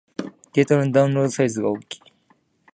データのダウンロードサイズが大きい